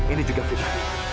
ini juga fitnah